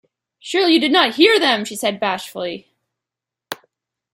‘Surely you did not hear them!’ she said bashfully.